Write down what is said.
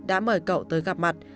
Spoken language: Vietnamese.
đã mời cậu tới gặp mặt